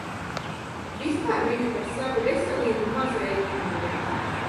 Vispār viņa par savu veselību maz rēķinājās.